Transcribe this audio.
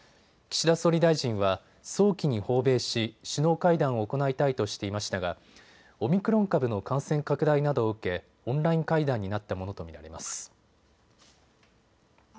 岸田総理大臣は早期に訪米し首脳会談を行いたいとしていましたがオミクロン株の感染拡大などを受けオンライン会談になったものと見られます。